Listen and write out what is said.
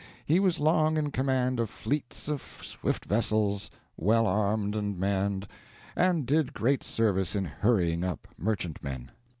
He was long in command of fleets of swift vessels, well armed and manned, and did great service in hurrying up merchantmen.